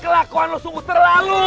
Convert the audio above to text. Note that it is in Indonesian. bakwan lo sungguh terlalu